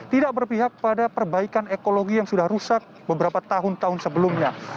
tidak berpihak pada perbaikan ekologi yang sudah rusak beberapa tahun tahun sebelumnya